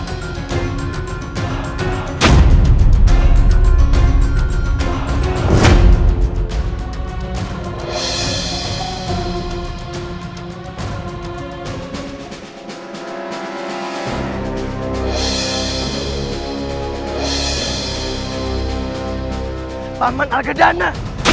aku akan menjaga kekayaanmu